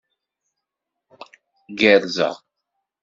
Gerrzeɣ.